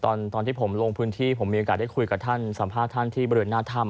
ใช่ตอนที่ผมลงพื้นที่ผมมีอากาศได้คุยกับท่านสัมภาษณ์ที่บริเวณนาธรรม